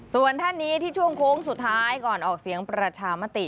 ส่วนท่านนี้ที่ช่วงโค้งสุดท้ายก่อนออกเสียงประชามติ